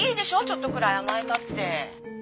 ちょっとくらい甘えたって。